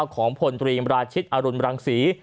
ของพลตรีมราชิตอรุณรังศรี